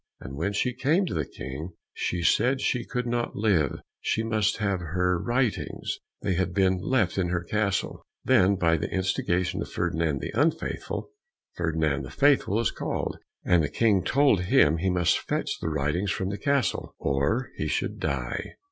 And when she came to the King, she said she could not live, she must have her writings, they had been left in her castle. Then by the instigation of Ferdinand the Unfaithful, Ferdinand the Faithful was called, and the King told him he must fetch the writings from the castle, or he should die.